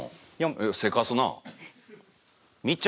せかすなぁ。